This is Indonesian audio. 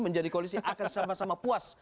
menjadi koalisi akan sama sama puas